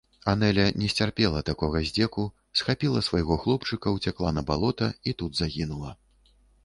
Анэля не сцярпела такога здзеку, схапіла свайго хлопчыка, уцякла на балота і тут загінула.